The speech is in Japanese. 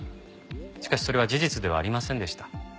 しかしそれは事実ではありませんでした。